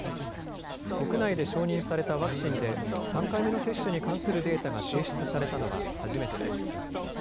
国内で承認されたワクチンで３回目の接種に関するデータが提出されたのは初めてです。